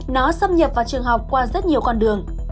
nó xâm nhập vào trường học qua rất nhiều con đường